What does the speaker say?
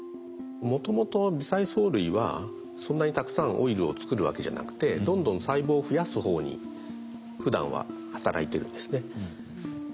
もともと微細藻類はそんなにたくさんオイルを作るわけじゃなくてどんどん細胞を増やす方にふだんは働いてるんですね。